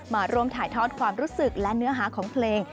มาร่วมถ่ายทอดความรู้สึกและเนื้อหาของเพลง